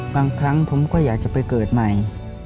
บางครั้งผมก็อยากจะไปเกิดใหม่